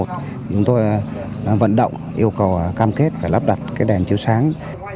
chúng tôi vận động yêu cầu cam kết phải lắp đặt cái đèn chiếu sáng